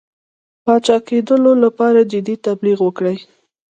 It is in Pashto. پاچاکېدلو لپاره جدي تبلیغ وکړي.